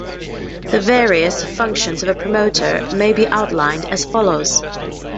The various functions of a promoter may be outlined as follows.